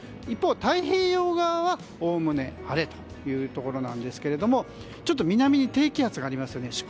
一方、太平洋側はおおむね晴れというところですが南に低気圧がありますね。